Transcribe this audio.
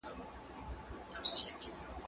سبزیحات تيار کړه؟!